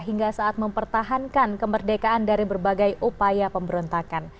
hingga saat mempertahankan kemerdekaan dari berbagai upaya pemberontakan